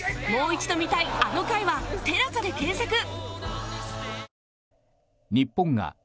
もう一度見たいあの回は「テラサ」で検索